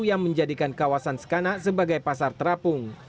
yang menjadikan kawasan skanak sebagai pasar terapung